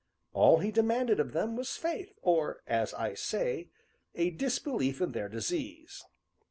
All He demanded of them was faith or, as I say, a disbelief in their disease."